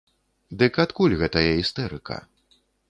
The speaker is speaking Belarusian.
Дык адкуль гэтая істэрыка?